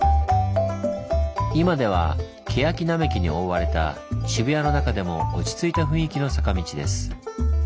今ではケヤキ並木に覆われた渋谷の中でも落ち着いた雰囲気の坂道です。